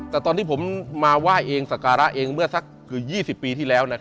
แต่ตอนที่ผมมาไหว้เองสักการะเองเมื่อสักเกือบ๒๐ปีที่แล้ว